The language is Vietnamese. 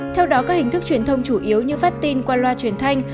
theo đó các hình thức truyền thông chủ yếu như phát tin qua loa truyền thanh